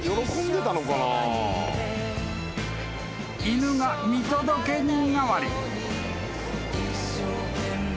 ［犬が見届け人代わり］